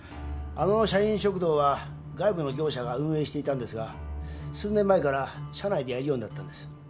あの社員食堂は外部の業者が運営していたんですが数年前から社内でやるようになったんです。